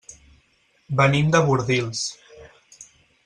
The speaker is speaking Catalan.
Venim de Bordils.